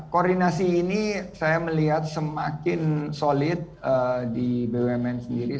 koordinasi ini saya melihat semakin solid di bumn sendiri